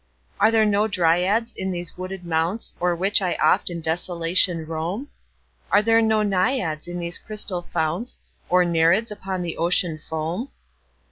Are there no Dryads on these wooded mounts O'er which I oft in desolation roam? Are there no Naiads in these crystal founts? Nor Nereids upon the Ocean foam?